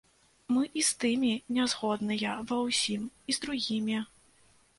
Мы і з тымі не згодныя ва ўсім, і з другімі.